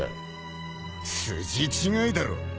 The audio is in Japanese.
［筋違いだろ］